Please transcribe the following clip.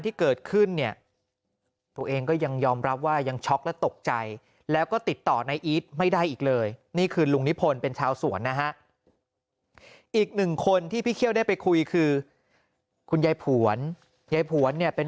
อีก๑คนที่พี่เคี่ยวได้ไปคุยคือคุณยายผวนยายผวนเนี่ยเป็น